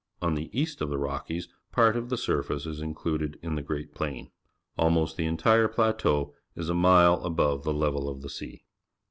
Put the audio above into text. On' the east of the Rockies part of the surface is included in the Great Plain. Almost the entire plateau is a mile above the level of the sea.